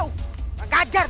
ruangkan kuat rauh rt